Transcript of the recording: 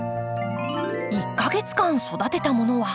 １か月間育てたものは？